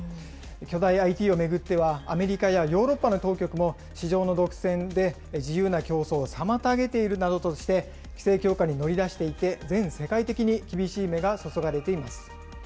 巨大ＩＴを巡っては、アメリカやヨーロッパの当局も、市場の独占で自由な競争を妨げているなどとして、規制強化に乗り出していて、全世界的に厳しい目が注がれています。